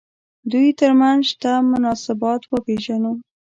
دوی تر منځ شته مناسبات وپېژنو.